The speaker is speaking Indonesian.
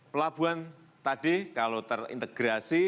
pelabuhan tadi kalau terintegrasi